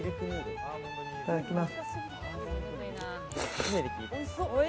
いただきます。